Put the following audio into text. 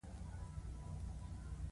په نولس سوه دوه نوي کال کې.